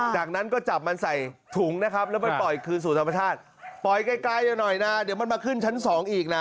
จากนั้นก็จับมันใส่ถุงนะครับแล้วไปปล่อยคืนสู่ธรรมชาติปล่อยไกลหน่อยนะเดี๋ยวมันมาขึ้นชั้นสองอีกนะ